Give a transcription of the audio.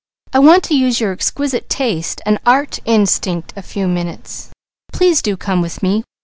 "I want to use your exquisite taste and art instinct a few minutes. Please do come with me.